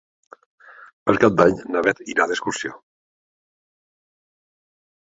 Per Cap d'Any na Beth irà d'excursió.